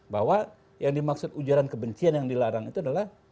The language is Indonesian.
bahwa yang dimaksud ujaran kebencian yang dilarang itu adalah